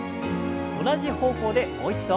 同じ方向でもう一度。